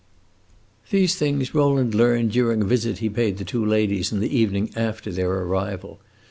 These things Rowland learned during a visit he paid the two ladies the evening after their arrival.